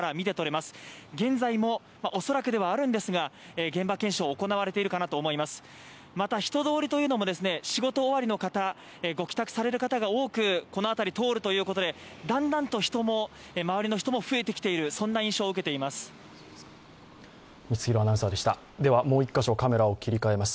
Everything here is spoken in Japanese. また人通りも仕事終わりの方、ご帰宅される方も多くこの辺り通るということでだんだんと周りの人も増えている、そんな印象を受けています。